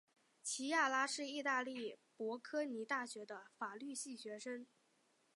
琪亚拉是意大利博科尼大学的法律系学生。